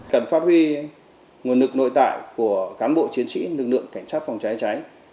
cần pháp vi nguồn lực nội tại của cán bộ chiến sĩ lực lượng cảnh sát phòng cháy